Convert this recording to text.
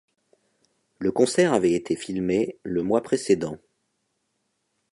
Le concert avait été filmé le mois précédent.